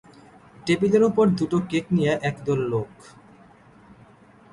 টেবিলের ওপর দুটো কেক নিয়ে একদল লোক।